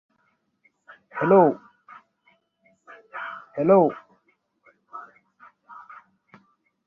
He was one of the trustees of the Bangladesh Liberation War Museum.